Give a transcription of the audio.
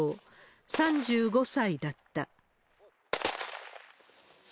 ３５歳だった。